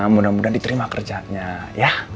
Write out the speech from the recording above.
mudah mudahan diterima kerjanya